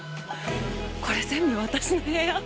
これ全部私の部屋？